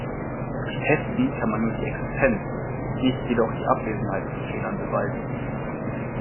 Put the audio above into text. Durch Testen kann man nur die Existenz, nicht jedoch die Abwesenheit von Fehlern beweisen.